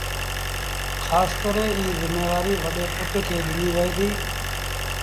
کآس ڪري ايٚ زميوآريٚ وڏي پُٽ کي ڏنيٚ وهي ديٚ